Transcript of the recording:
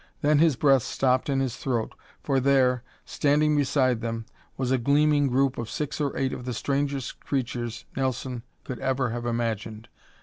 Then his breath stopped in his throat, for there, standing beside them, was a gleaming group of six or eight of the strangest creatures Nelson could ever have imagined.